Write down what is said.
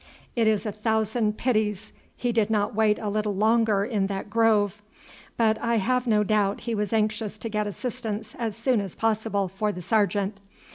It is a thousand pities he did not wait a little longer in that grove, but I have no doubt he was anxious to get assistance as soon as possible for the sergeant.